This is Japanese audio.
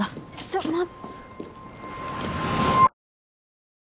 ちょっと待っ。